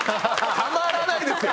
たまらないですよ。